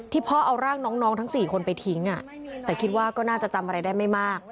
พ่อเอาร่างน้องทั้ง๔คนไปทิ้งแต่คิดว่าก็น่าจะจำอะไรได้ไม่มาก